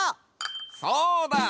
そうだ！